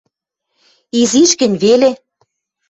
Изиш гӹнь веле...